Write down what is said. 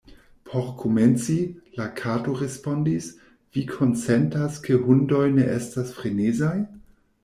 "Por komenci," la Kato respondis, "vi konsentas ke hundoj ne estas frenezaj?"